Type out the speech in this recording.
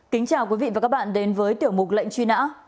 kính chào quý vị và các bạn đến với tiểu mục lệnh truy nã